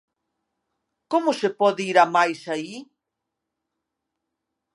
Como se pode ir a máis aí?